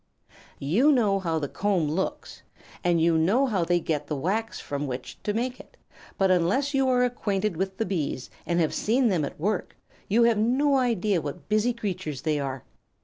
You know how the comb looks, and you know how they get the wax from which to make it, but unless you are acquainted with the Bees, and have seen them at work, you have no idea what busy creatures they are.